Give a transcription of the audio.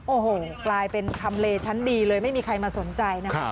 โอ้โหกลายเป็นทำเลชั้นดีเลยไม่มีใครมาสนใจนะครับ